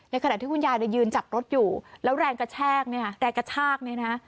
ในขณะที่คุณยายยืนจับรถอยู่แล้วแรงกระแชกแรงกระชาก